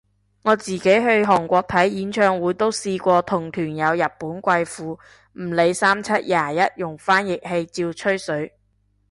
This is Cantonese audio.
我自己去韓國睇演唱會都試過同團有日本貴婦，唔理三七廿一用翻譯器照吹水